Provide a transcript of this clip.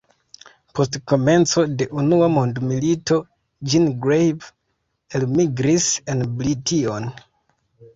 Post komenco de Unua mondmilito Jean Grave, elmigris en Brition.